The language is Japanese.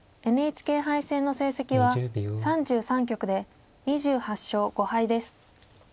ＮＨＫ杯戦の成績は３３局で２８勝５敗です。